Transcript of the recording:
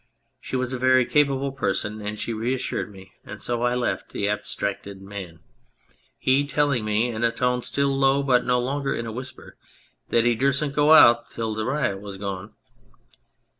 She was a very capable person, and she reassured me, and so I left the Abstracted Man, he telling me in a tone still low, but no longer in a whisper, that he dursen't go out until the riot was gone.